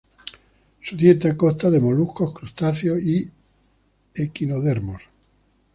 Su dieta consta de moluscos, crustáceos y equinodermos.